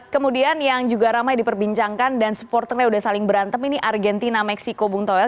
kemudian yang juga ramai diperbincangkan dan supporternya sudah saling berantem ini argentina meksiko bung toel